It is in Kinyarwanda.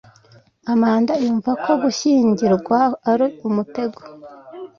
Amanda yumvaga ko gushyingirwa ari umutego